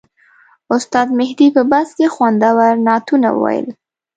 استاد مهدي په بس کې خوندور نعتونه وویل.